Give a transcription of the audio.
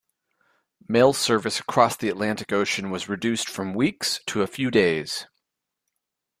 Mail service across the Atlantic Ocean was reduced from weeks to a few days.